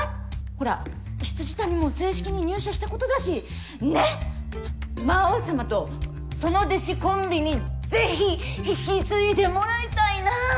ほら未谷も正式に入社したことだしねっ魔王様とその弟子コンビに是非引き継いでもらいたいな！